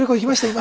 今。